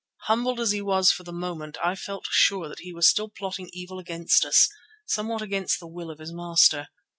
Humbled as he was for the moment, I felt sure that he was still plotting evil against us, somewhat against the will of his master.